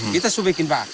kita sudah bikin bak